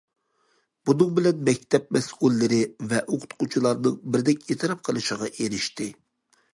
بۇنىڭ بىلەن مەكتەپ مەسئۇللىرى ۋە ئوقۇتقۇچىلارنىڭ بىردەك ئېتىراپ قىلىشىغا ئېرىشتى.